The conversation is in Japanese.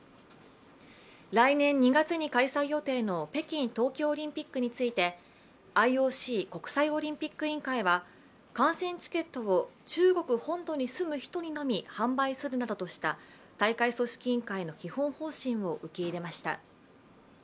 来年２月に開催予定の北京冬季オリンピックについてＩＯＣ＝国際オリンピック委員会は観戦チケットを中国本土に住む人にのみ販売するなどとした大会組織委員会の基本方針を受け入れました。